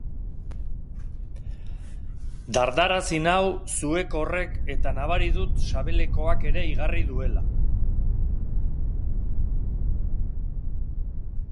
Dardararazi nau zuek horrek, eta nabari dut sabelekoak ere igarri duela.